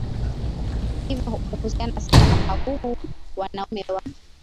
hivyo huhusiana sana na magugu Wanaume wa